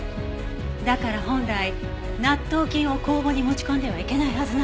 だから本来納豆菌を工房に持ち込んではいけないはずなの。